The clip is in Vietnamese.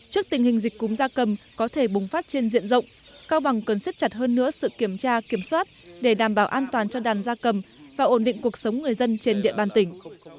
trước tình hình dịch cúm gia cầm có thể bùng phát trên diện rộng cao bằng cần siết chặt hơn nữa sự kiểm tra kiểm soát để đảm bảo an toàn cho đàn gia cầm và ổn định cuộc sống người dân trên địa bàn tỉnh